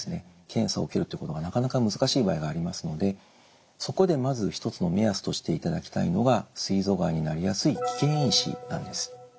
検査を受けるということがなかなか難しい場合がありますのでそこでまず一つの目安としていただきたいのがすい臓がんになりやすい危険因子なんです。